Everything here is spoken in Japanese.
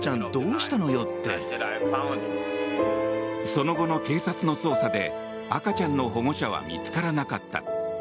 その後の警察の捜査で赤ちゃんの保護者は見つからなかった。